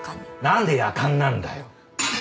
何でやかんなんだよ？